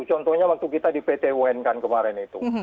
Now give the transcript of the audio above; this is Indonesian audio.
contohnya waktu kita di pt un kan kemarin itu